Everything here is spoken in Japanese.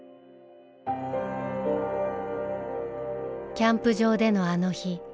キャンプ場でのあの日。